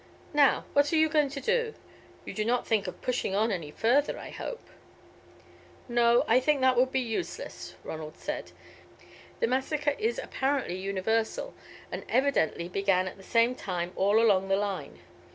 Now what are you going to do? You do not think of pushing on any further, I hope." "No, I think that would be useless," Ronald said. "The massacre is apparently universal, and evidently began at the same time all along the line.